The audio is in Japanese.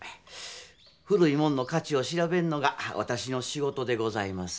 古いもんの価値を調べんのがわたしの仕事でございます。